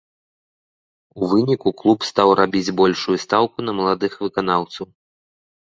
У выніку клуб стаў рабіць большую стаўку на маладых выканаўцаў.